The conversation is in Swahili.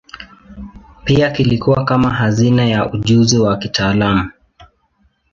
Pia kilikuwa kama hazina ya ujuzi wa kitaalamu.